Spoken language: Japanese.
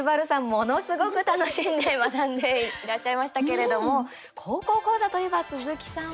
ものすごく楽しんで学んでいらっしゃいましたけれども「高校講座」といえば鈴木さんも。